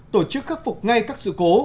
một tổ chức khắc phục ngay các sự cố